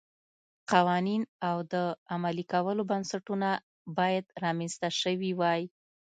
قوانین او د عملي کولو بنسټونه باید رامنځته شوي وای.